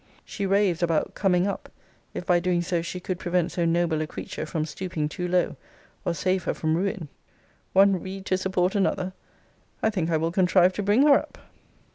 She raves about 'coming up, if by doing so she could prevent so noble a creature from stooping too low, or save her from ruin.' One reed to support another! I think I will contrive to bring her up.